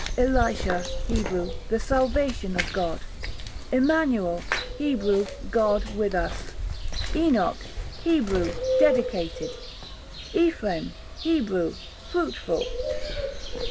Elisha, Hebrew, the salvation of God. Emmanuel, Hebrew, God with us. Enoch, Hebrew, dedicated. Ephraim, Hebrew, fruitful.